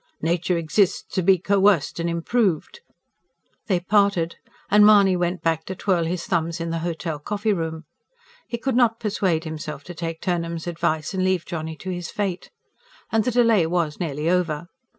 "Nature exists to be coerced and improved." They parted; and Mahony went back to twirl his thumbs in the hotel coffee room. He could not persuade himself to take Turnham's advice and leave Johnny to his fate. And the delay was nearly over.